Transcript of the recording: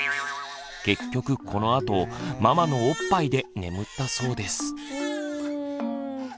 結局このあとママのおっぱいで眠ったそうです。